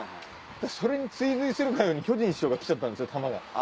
それに追随するかのように巨人師匠が来ちゃったんです球。